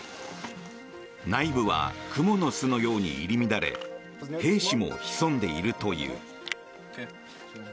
内部はクモの巣のように入り乱れ兵士も潜んでいるという。